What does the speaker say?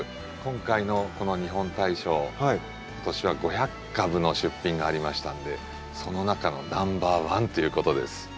今回のこの「日本大賞」今年は５００株の出品がありましたんでその中のナンバーワンということです。